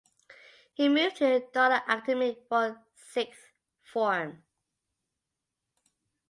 He moved to Dollar Academy for sixth form.